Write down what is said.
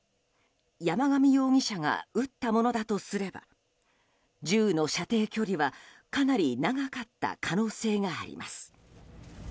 山上容疑者が撃ったものだとすれば銃の射程距離はかなり長かった可能性があります。